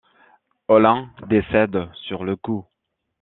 Olin décède sur le coup.